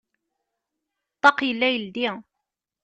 Ṭṭaq yella yeldi.